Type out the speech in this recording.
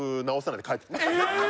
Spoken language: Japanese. ・え！？